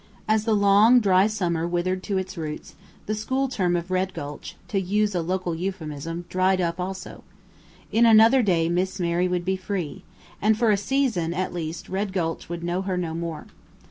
As the long, dry summer withered to its roots, the school term of Red Gulch to use a local euphuism "dried up" also. In another day Miss Mary would be free; and for a season, at least, Red Gulch would know her no more.